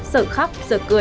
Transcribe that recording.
sở khóc sở cười